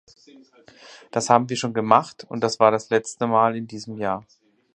Das haben wir schon gemacht, und das war das letzte Mal in diesem Jahr!